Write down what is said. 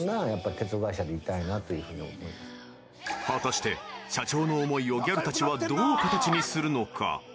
［果たして社長の思いをギャルたちはどう形にするのか？］